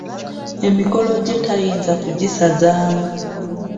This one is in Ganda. Emikolo gye tayinza kugisazaamu.